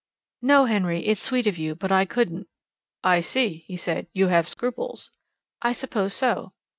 "No, Henry; it's sweet of you, but I couldn't." "I see," he said; "you have scruples." "I suppose so."